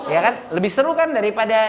ya kan lebih seru kan daripada